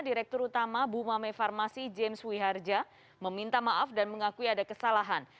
direktur utama bumame farmasi james wiharja meminta maaf dan mengakui ada kesalahan